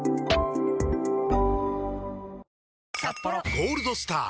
「ゴールドスター」！